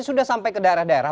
sudah sampai ke daerah daerah